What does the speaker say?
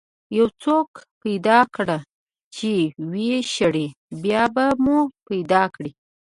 یو څوک پیدا کړه چې ويې شړي، بیا به مو پیدا کړي.